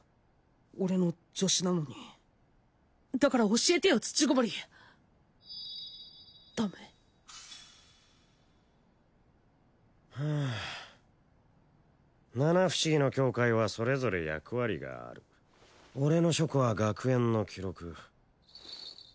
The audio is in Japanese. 俺の助手なのにだから教えてよ土籠ダメ？はあ七不思議の境界はそれぞれ役割がある俺の書庫は学園の記録